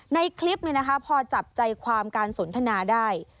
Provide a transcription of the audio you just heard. ในคลิปพอจับใจการสนทนะได้